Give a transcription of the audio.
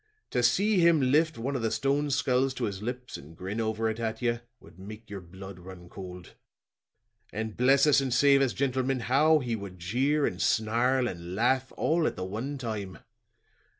To see him lift one of the stone skulls to his lips and grin over it at you, would make your blood run cold. And bless us and save us, gentlemen, how he would jeer and snarl and laugh all at the one time.